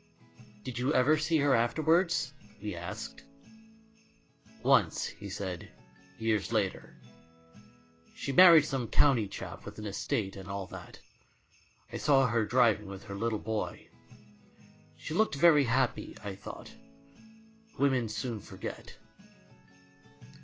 " "Did you ever see her afterwards?" we asked. "Once," he said, "years later. She married some County chap, with an estate and all that. I saw her driving with her little boy. She looked very happy I thought. Women soon forget."